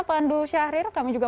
pandu syahrir kami juga